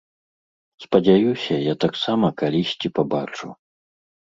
Спадзяюся, я таксама калісьці пабачу.